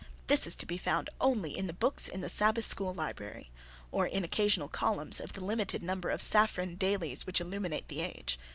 This is to be found only in the books in the Sabbath School library, or in occasional columns of the limited number of saffron dailies which illuminate the age.